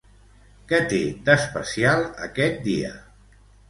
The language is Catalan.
Què té, d'especial, aquest dia?